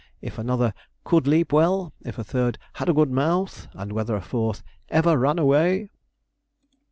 if another 'could leap well?' if a third 'had a good mouth?' and whether a fourth 'ever ran away?'